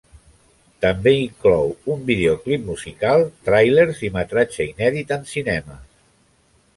També inclou un videoclip musical, tràilers i metratge inèdit en cines.